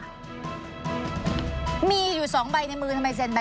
แล้วทีนี้เขาก็เอาไปบ้านแฟนเขา